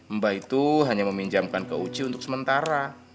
mbah itu hanya meminjamkan ke uci untuk sementara